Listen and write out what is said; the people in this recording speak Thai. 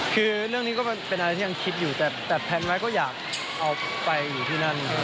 คือเรื่องนี้ก็เป็นอะไรที่ยังคิดอยู่แต่แพลนไว้ก็อยากเอาไปอยู่ที่นั่น